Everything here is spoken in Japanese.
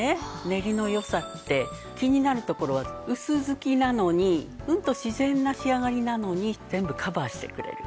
練りの良さって気になるところは薄付きなのにうんと自然な仕上がりなのに全部カバーしてくれる。